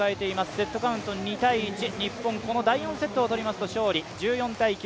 セットカウント２−１日本、この第４セットを取りますと勝利１４−９